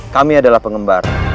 kami adalah pengembara